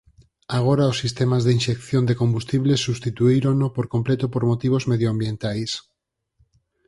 Agora os sistemas de inxección de combustible substituírono por completo por motivos medioambientais.